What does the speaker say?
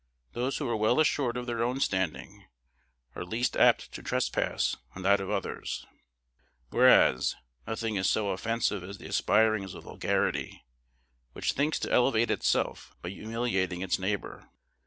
Those who are well assured of their own standing are least apt to trespass on that of others; whereas, nothing is so offensive as the aspirings of vulgarity, which thinks to elevate itself by humiliating its neighbor.